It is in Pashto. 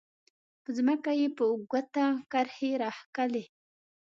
په ځمکه یې په ګوته کرښې راښکلې.